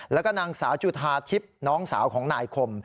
แล้วก็นางสาวจุธาทิพย์น้องสาวของนายคม